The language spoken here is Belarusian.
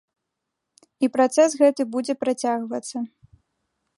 І працэс гэты будзе працягвацца.